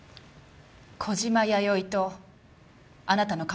小島弥生とあなたの関係は？